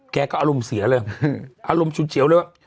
แกก็อารมณ์เสียเลยอารมณ์ฉุนเฉียวเลยว่า